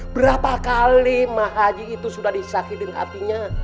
berapa kali mah haji itu sudah disakitin hatinya